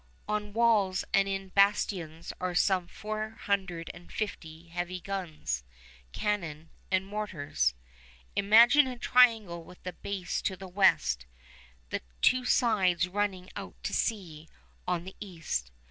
On walls and in bastions are some four hundred and fifty heavy guns, cannon, and mortars. Imagine a triangle with the base to the west, the two sides running out to sea on the east.